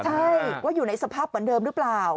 ใช่ว่าอยู่ในสภาพเหมือนเดิมหรือเปล่า